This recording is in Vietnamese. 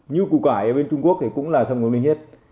như củ cải ở bên trung quốc thì cũng là sâm ngọc linh hết